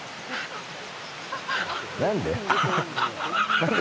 何で？